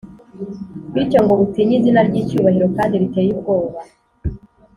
bityo ngo utinye izina ry’icyubahiro+ kandi riteye ubwoba,+